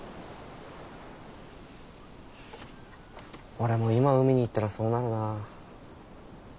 俺も今海に行ったらそうなるな。